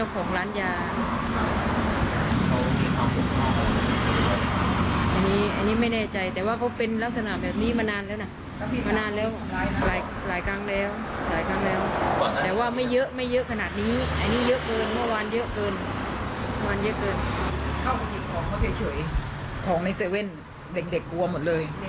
ของในเซเว่นเด็กกลัวหมดเลย